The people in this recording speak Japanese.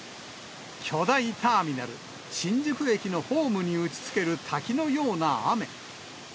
巨大ターミナル、新宿駅のホームに打ちつける滝のような雨。